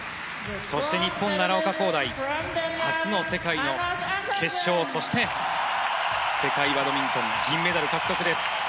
そして、日本、奈良岡功大初の世界の決勝そして世界バドミントン銀メダル獲得です。